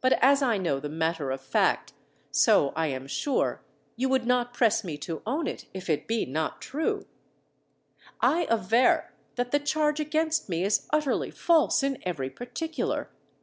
But as I know the matter of fact, so I am sure, you would not press me to own it if it be not true; I aver that the charge against me is utterly false in every particular.